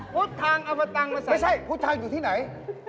พุทธทางเอาเผาตังมาใส่อย่างนี้ไม่ใช่พุทธทางอยู่ที่ไหน